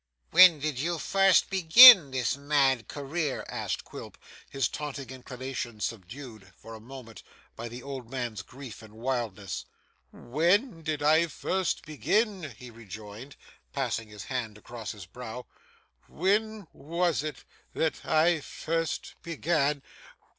'When did you first begin this mad career?' asked Quilp, his taunting inclination subdued, for a moment, by the old man's grief and wildness. 'When did I first begin?' he rejoined, passing his hand across his brow. 'When was it, that I first began?